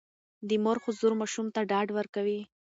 د مور حضور ماشوم ته ډاډ ورکوي.